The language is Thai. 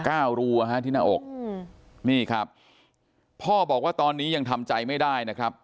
รูอ่ะฮะที่หน้าอกอืมนี่ครับพ่อบอกว่าตอนนี้ยังทำใจไม่ได้นะครับ